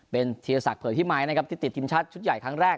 เป็นเทียรศักดิ์เพิ่มที่ไมค์นะครับที่ติดทีมชัดชุดใหญ่ครั้งแรก